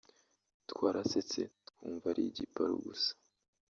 Twarasetse twumva ari igiparu gusa